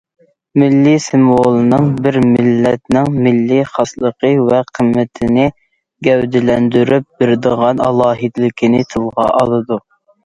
مىللىي سىمۋولنىڭ بىر مىللەتنىڭ مىللىي خاسلىقى ۋە قىممىتىنى گەۋدىلەندۈرۈپ بېرىدىغان ئالاھىدىلىكىنى تىلغا ئالىدۇ.